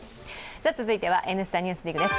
続いては「Ｎスタ・ＮＥＷＳＤＩＧ」です。